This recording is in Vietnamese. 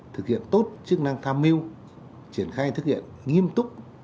thực hiện tốt chức năng tham mưu triển khai thực hiện nghiêm túc